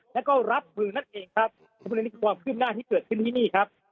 แล้วก็รับมือนั่นเองครับซึ่งอันนี้คือความคืบหน้าที่เกิดขึ้นที่นี่ครับ